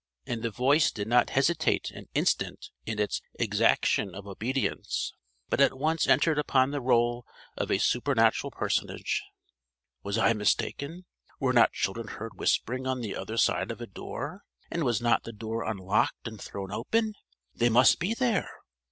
And the voice did not hesitate an instant in its exaction of obedience, but at once entered upon the rôle of a supernatural personage: "Was I mistaken? Were not children heard whispering on the other side of a door, and was not the door unlocked and thrown open? They must be there!